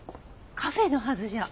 カフェのはずじゃ？